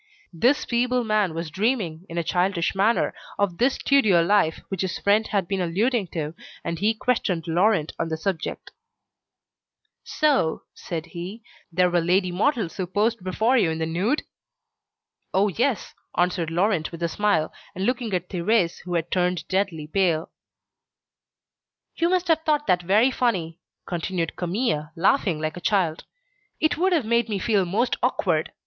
This feeble man was dreaming, in a childish manner, of this studio life which his friend had been alluding to, and he questioned Laurent on the subject. "So," said he, "there were lady models who posed before you in the nude?" "Oh! yes," answered Laurent with a smile, and looking at Thérèse, who had turned deadly pale. "You must have thought that very funny," continued Camille, laughing like a child. "It would have made me feel most awkward.